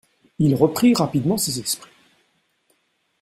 Il reprit rapidement ses esprits.